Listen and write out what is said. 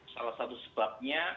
salah satu sebabnya